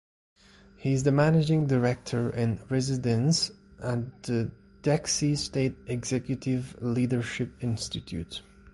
He is the managing director in residence at the Dixie State Executive Leadership Institute.